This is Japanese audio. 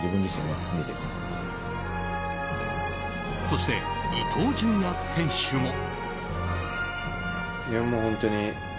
そして、伊東純也選手も。